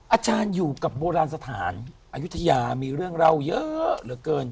อาจารย์อยู่กับโบราณสถานอายุทยามีเรื่องเล่าเยอะเหลือเกิน